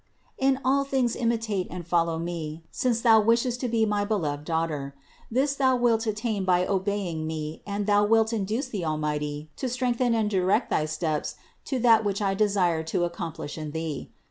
In all things imitate and follow me, since thou wishest to be my beloved daughter; this thou wilt attain by obeying me and thou wilt induce the Almighty to strengthen and direct thy footsteps to that which I desire to ac complish in thee.